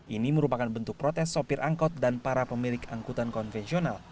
ini merupakan bentuk protes sopir angkot dan para pemilik angkutan konvensional